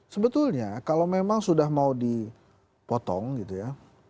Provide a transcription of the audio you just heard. sebetulnya kalau memang sudah mau dipotong gitu ya